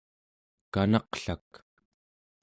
kanaqlak